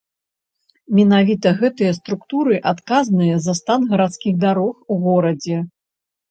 Менавіта гэтыя структуры адказныя за стан гарадскіх дарог у горадзе.